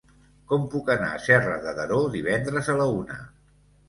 Com puc anar a Serra de Daró divendres a la una?